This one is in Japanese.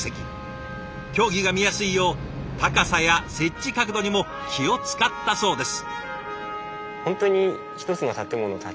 競技が見やすいよう高さや設置角度にも気を遣ったそうです。